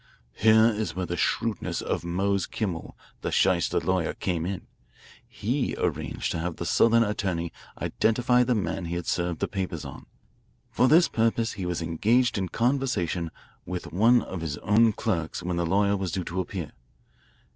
"Here is where the shrewdness of Mose Kimmel, the shyster lawyer, came in. He arranged to have the Southern attorney identify the man he had served the papers on. For this purpose he was engaged in conversation with one of his own clerks when the lawyer was due to appear.